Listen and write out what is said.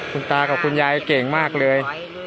คุณตากับคุณยายเก่งมากเลย